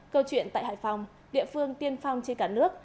câu chuyện tại hải phòng địa phương tiên phong trên cả nước